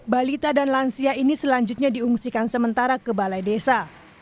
balita dan lansia ini selanjutnya diungsikan sementara ke balai desa